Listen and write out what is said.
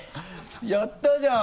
やったじゃん！